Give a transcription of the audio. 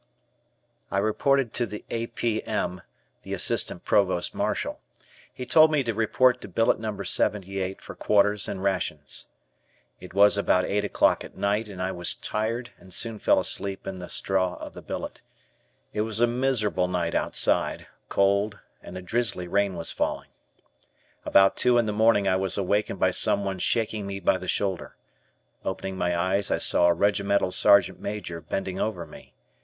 I reported to the A. P. M. (Assistant Provost Marshal). He told me to report to billet No. 78 for quarters and rations. It was about eight o'clock at night and I was tired and soon fell asleep in the straw of the billet. It was a miserable night outside, cold, and a drizzly rain was falling. About two in the morning I was awakened by someone shaking me by the shoulder. Opening my eyes I saw a Regimental Sergeant Major bending over me.